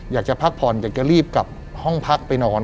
อยากจะพักผ่อนอยากจะรีบกลับห้องพักไปนอน